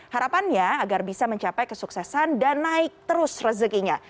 harapannya agar bisa mencapai kesuksesan dan naik terus rezekinya